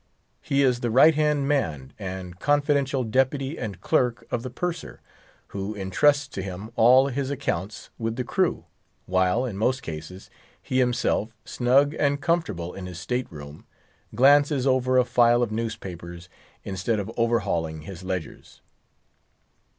He is the right hand man and confidential deputy and clerk of the Purser, who intrusts to him all his accounts with the crew, while, in most cases, he himself, snug and comfortable in his state room, glances over a file of newspapers instead of overhauling his ledgers.